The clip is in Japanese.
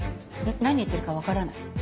何言ってるかわからない。